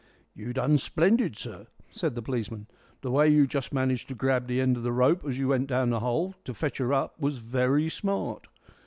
"You done splendid, sir," said the policeman; "the way you just managed to grab the end of the rope as you went down the hole to fetch her up was very smart.